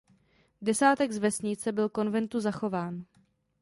Desátek z vesnice byl konventu zachován.